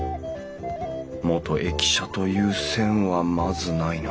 元駅舎という線はまずないな。